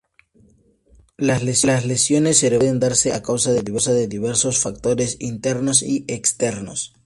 Las lesiones cerebrales pueden darse a causa de diversos factores internos y externos.